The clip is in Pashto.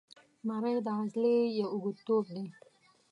مرۍ د عضلې یو اوږد تیوب دی.